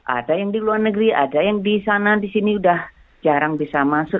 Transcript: ada yang di luar negeri ada yang di sana di sini sudah jarang bisa masuk